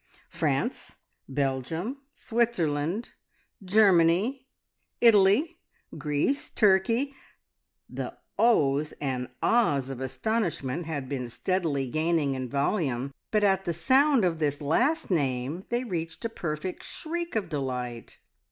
France, Belgium, Switzerland, Germany, Italy, Greece, Turkey " The "Ohs!" and "Ahs!" of astonishment had been steadily gaining in volume, but at the sound of this last name they reached a perfect shriek of delight.